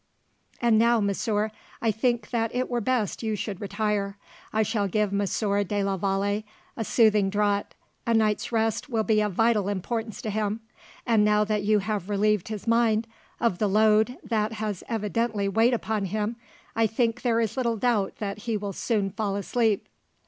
"And now, monsieur, I think that it were best you should retire. I shall give Monsieur de la Vallee a soothing draught. A night's rest will be of vital importance to him. And now that you have relieved his mind of the load that has evidently weighed upon him, I think there is little doubt that he will soon fall asleep."